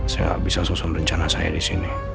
saya bisa susun rencana saya di sini